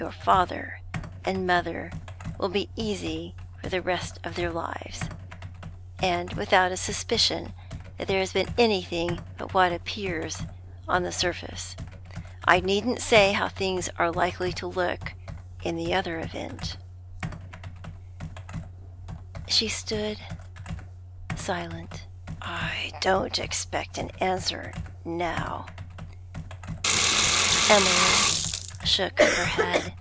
Your father and mother will be easy for the rest of their lives, and without a suspicion that there has been anything but what appears on the surface. I needn't say how things are likely to look in the other event.' Still she stood silent. 'I don't expect an answer now ' Emily shook her head.